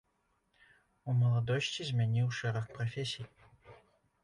У маладосці змяніў шэраг прафесій.